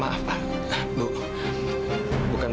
maaf pak contains